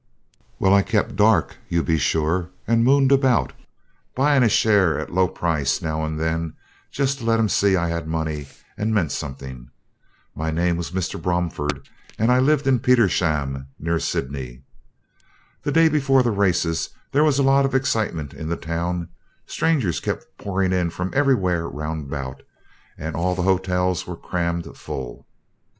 Well, I kept dark, you be sure, and mooned about, buying a share at a low price now and then just to let 'em see I had money and meant something. My name was Mr. Bromford, and I lived at Petersham, near Sydney. The day before the races there was a lot of excitement in the town. Strangers kept pouring in from everywhere round about, and all the hotels were crammed full.